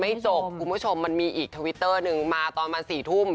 จบคุณผู้ชมมันมีอีกทวิตเตอร์หนึ่งมาตอนมา๔ทุ่ม